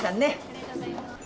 ありがとうございます。